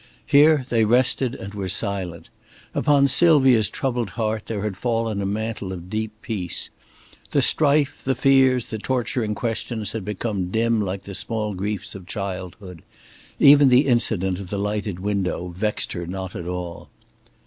Here they rested and were silent. Upon Sylvia's troubled heart there had fallen a mantle of deep peace. The strife, the fears, the torturing questions had become dim like the small griefs of childhood. Even the incident of the lighted window vexed her not at all.